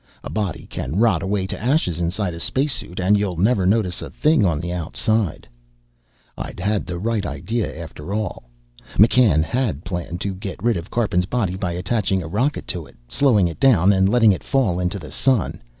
A body can rot away to ashes inside a space suit, and you'll never notice a thing on the outside. I'd had the right idea after all. McCann had planned to get rid of Karpin's body by attaching a rocket to it, slowing it down, and letting it fall into the sun.